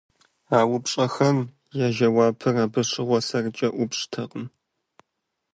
А упщӀэхэм я жэуапыр абы щыгъуэ сэркӀэ ӀупщӀтэкъым.